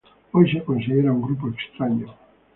Hoy se considera un grupo extraño.